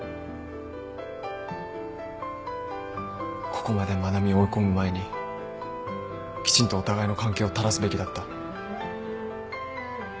ここまで愛菜美を追い込む前にきちんとお互いの関係を正すべきだった。